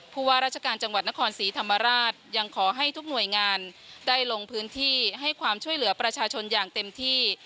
ผู้ว่าราชการจังหวัดนครศรีธรรมราชยังขอให้ทุกหน่วยงานได้ลงพื้นที่ให้ความช่วยเหลือประชาชนอย่างเต็มที่